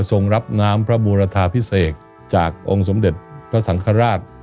รับน้ำพระบูรทาพิเศษจากองค์สมเด็จพระสังฆราช